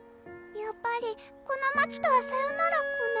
やっぱりこの街とはさよならコメ？